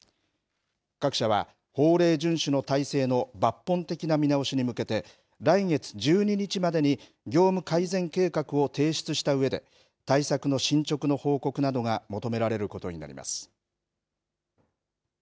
各社は法令順守の体制の抜本的な見直しに向けて、来月１２日までに、業務改善計画を提出したうえで、対策の進捗の報告などが求められることになります。